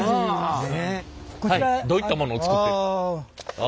どういったものを作って。